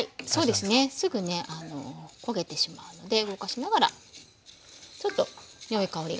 そうですねすぐね焦げてしまうので動かしながらちょっとよい香りが。